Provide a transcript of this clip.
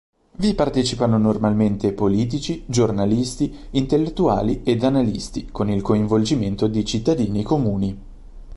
Vi partecipano normalmente politici, giornalisti, intellettuali ed analisti con il coinvolgimento di cittadini comuni.